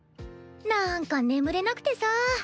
なんか眠れなくてさ。